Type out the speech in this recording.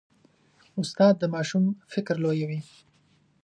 استاد د ماشوم فکر لویوي.